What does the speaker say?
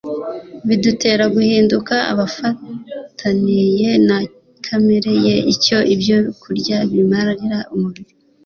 bidutera guhinduka abafatariya na kamere ye. Icyo ibyo kurya bimarira umubiri,